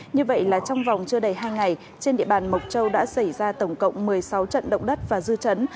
như vậy là trong vòng chưa đầy hai ngày trên địa bàn mộc châu đã xảy ra tổng cộng một mươi sáu trận động đất và dư chấn